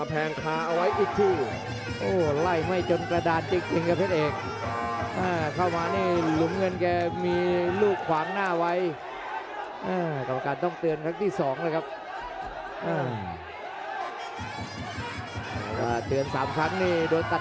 โอ้โหโอ้โหโอ้โหโอ้โหโอ้โหโอ้โหโอ้โหโอ้โหโอ้โหโอ้โหโอ้โหโอ้โหโอ้โหโอ้โหโอ้โหโอ้โหโอ้โหโอ้โหโอ้โหโอ้โหโอ้โหโอ้โหโอ้โหโอ้โหโอ้โหโอ้โหโอ้โหโอ้โหโอ้โหโอ้โหโอ้โหโอ้โหโอ้โหโอ้โหโอ้โหโอ้โหโอ้โห